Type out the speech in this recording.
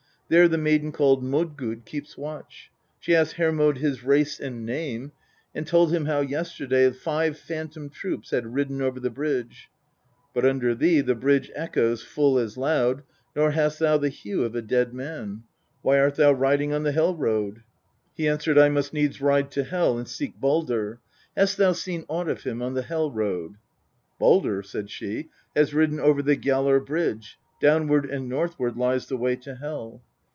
There the maiden called Modgud keeps watch. She asked Hermod his race and name, and told him how yesterday tive phantom troops had ridden over the bridge, ' but under thee the bridge echoes full as loud, nor hast thou the hue of a dead man. Why art thou riding on the Hel road ?' He answered ' I must needs ride to Hel, and seek Baldr ; hast thou seen aught of him on the Hel road ?'' Baidr,' said she, ' has ridden over the Gjallar bridge ; downward and northward lies the way to Hel.'